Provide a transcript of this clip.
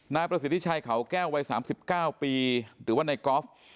นายประสิทธิชัยเขาแก้ววัย๓๙ปีหรือว่าในกอล์ฟ